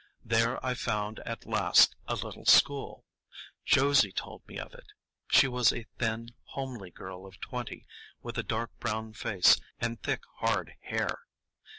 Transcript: There I found at last a little school. Josie told me of it; she was a thin, homely girl of twenty, with a dark brown face and thick, hard hair.